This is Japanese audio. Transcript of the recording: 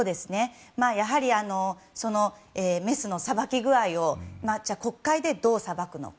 やはりメスのさばき具合を国会でどうさばくのか。